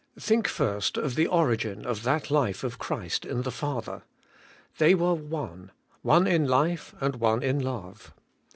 Think first of the origin of that life of Christ in the Father. They were one— one in life and one in love.